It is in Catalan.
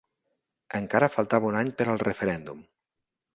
Encara faltava un any per al referèndum.